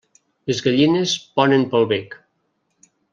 Les gallines ponen pel bec.